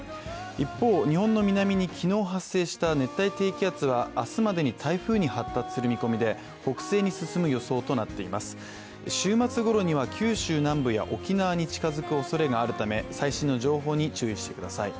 一方、日本の南に昨日発生した熱帯低気圧は明日までに台風に発達する見込みで、北西に進む予想となっています週末頃には九州南部や沖縄に近づくおそれがあるため、最新の情報に注意してください。